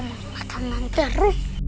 aku makan manter